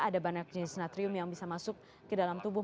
ada banyak jenis natrium yang bisa masuk ke dalam tubuh